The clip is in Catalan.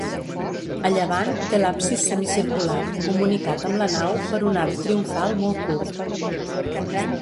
A llevant té l'absis semicircular, comunicat amb la nau per un arc triomfal molt curt.